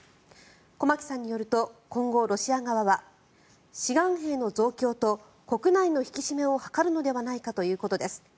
駒木さんによると今後、ロシア側は志願兵の増強と国内の引き締めを図るのではないかということです。